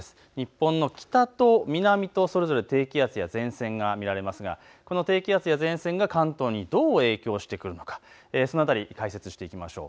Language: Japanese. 日本の北と南とそれぞれ低気圧や前線が見られますがこの低気圧や前線が関東にどう影響してくるのか、その辺り解説していきましょう。